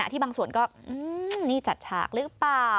ที่บางส่วนก็นี่จัดฉากหรือเปล่า